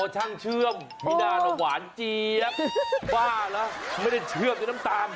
อ๋อช่างเชื่อมมีด้านว่าหวานเจี๊ยบบ้าละไม่ได้เชื่อมอย่างน้ำตาล